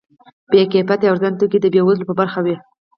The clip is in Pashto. بې کیفیته او ارزانه توکي د بې وزلو په برخه وي.